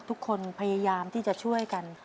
ทุกคนพยายามที่จะช่วยกัน